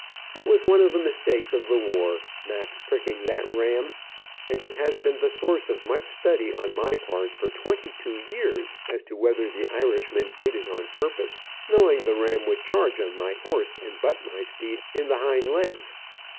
That was one of the mistakes of the war, Mac's pricking that ram, and it has been the source of much study on my part, for twenty two years, as to whether the Irishman did it on purpose, knowing the ram would charge on my horse, and butt my steed in the hind legs.